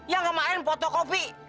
yang kemarin foto kopi